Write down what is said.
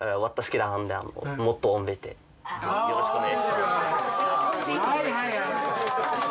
よろしくお願いします。